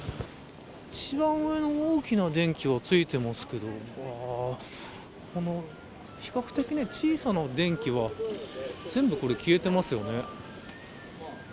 一番上の大きな電気はついていますけど比較的、小さな電気は全部消えていますよね。